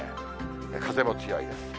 風も強いです。